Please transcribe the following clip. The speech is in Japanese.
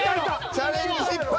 チャレンジ失敗！